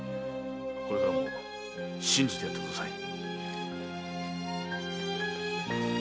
これからも信じてやってください。